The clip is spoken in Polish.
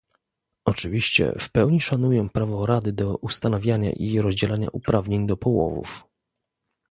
Oczywiście w pełni szanuję prawo Rady do ustanawiania i rozdzielania uprawnień do połowów